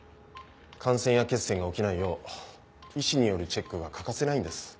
感染や血栓が起きないよう医師によるチェックが欠かせないんです。